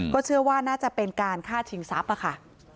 เชื่อว่าน่าจะเป็นการฆ่าชิงทรัพย์ค่ะ